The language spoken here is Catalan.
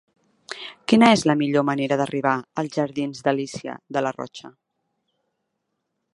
Quina és la millor manera d'arribar als jardins d'Alícia de Larrocha?